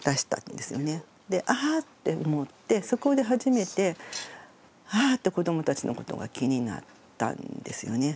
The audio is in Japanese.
でああ！って思ってそこで初めて子どもたちのことが気になったんですよね。